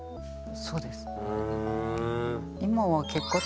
そうです。